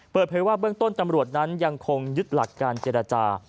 เปิดเผยว่าเบื้องต้นตำรวจนั้นยังคงยึดหลักการเจรจา